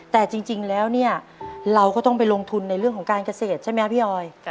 แต่จริงแล้วเนี่ยเราก็ต้องไปลงทุนในเรื่องของการเกษตรใช่ไหมครับพี่ออย